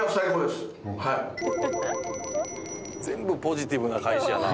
「全部ポジティブな返しやな」